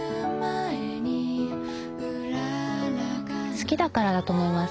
好きだからだと思います。